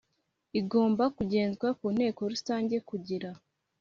igomba kugezwa ku Inteko Rusange kugira